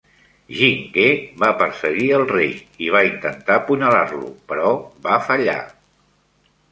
Jing Ke va perseguir el rei i va intentar apunyalar-lo, però va fallar.